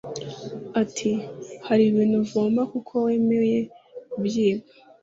Ati “Hari ibintu uvoma kuko wemeye kubyiga